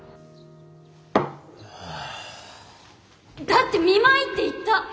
だって見舞いって言った！